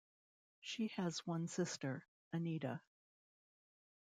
She has one sister, Anita.